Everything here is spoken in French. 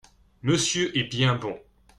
Monsieur est bien bon !